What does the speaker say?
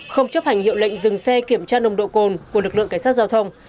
không chấp hành hiệu lệnh dừng xe kiểm tra nồng độ cồn của lực lượng cảnh sát giao thông